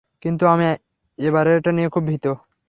কিন্তু আমি এবারেরটা নিয়ে খুব ভীত।